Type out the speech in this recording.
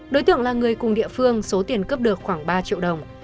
đối tượng là người cùng địa phương số tiền cướp được khoảng ba triệu đồng